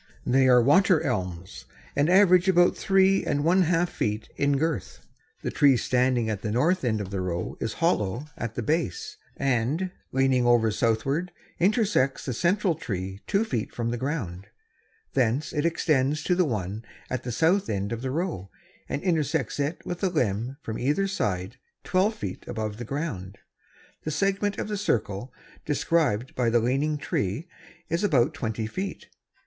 They are water elms, and average about three and one half feet in girth. The tree standing at the north end of the row is hollow at the base and, leaning over southward intersects the central tree two feet from the ground; thence it extends to the one at the south end of the row, and intersects it with a limb from either side twelve feet above the ground. The segment of the circle described by the leaning tree is about twenty feet.